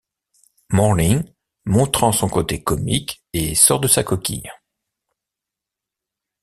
Morning, montrant son côté comique et sort de sa coquille.